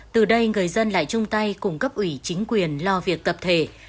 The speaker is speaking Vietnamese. từ đây người dân lại chung tay cùng cấp ủy chính quyền lo việc tập thể